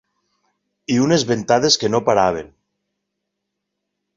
...i unes ventades que no paraven